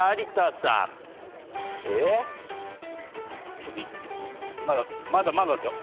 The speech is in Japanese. ちょっとまだまだですよ。